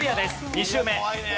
２周目。